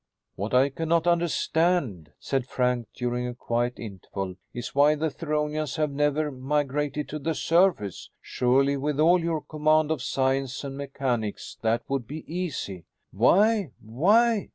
"What I can not understand," said Frank, during a quiet interval, "is why the Theronians have never migrated to the surface. Surely, with all your command of science and mechanics, that would be easy." "Why? Why?"